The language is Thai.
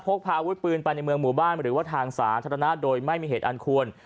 พกพาอาวุธปืนไปในเมืองหมู่บ้านหรือว่าทางสาธารณะโดยไม่มีเหตุอันควร